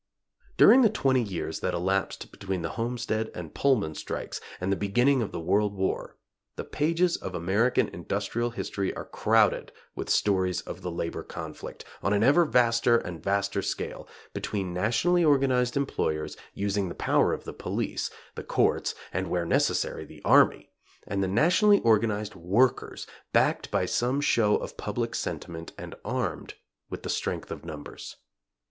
During the twenty years that elapsed between the Homestead and Pullman strikes and the beginning of the world war, the pages of American industrial history are crowded with stories of the labor conflict on an ever vaster and vaster scale, between nationally organized employers, using the power of the police, the courts and, where necessary, the army; and the nationally organized workers, backed by some show of public sentiment, and armed with the strength of numbers.